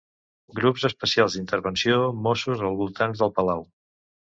Grups Especials d'Intervenció Mossos als voltants de Palau.